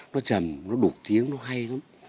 nó chầm nó đục tiếng nó hay lắm